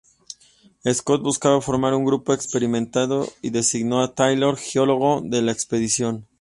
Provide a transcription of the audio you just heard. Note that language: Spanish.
Scott buscaba formar un grupo experimentado, y designó a Taylor geólogo de la expedición.